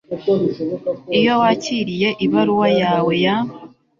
Iyo wakiriye ibaruwa yawe ya